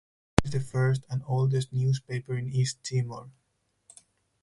It is the first and oldest newspaper in East Timor.